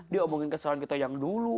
diomongin kesalahan kita yang dulu